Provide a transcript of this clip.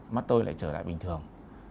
mắt tôi lại trở lại bình thường